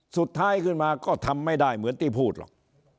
สุดท้ายขึ้นมาก็ทำไม่ได้เหมือนที่พูดหรอก